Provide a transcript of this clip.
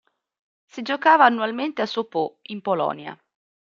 Si giocava annualmente a Sopot in Polonia.